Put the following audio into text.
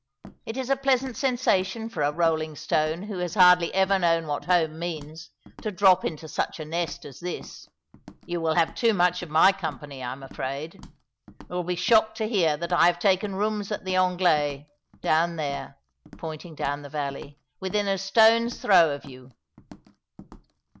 " It is a pleasant sensation for a rolling stone who has hardly ever known what home means to drop into such a nest as this. You will have too much of my company, I'm afraid. You'll be shocked to hear that I have taken rooms at the Anglais, down there," pointing down the valley, " within a stone's throw of you."